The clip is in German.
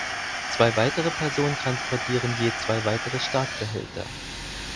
Zwei weitere Personen transportieren je zwei weitere Startbehälter.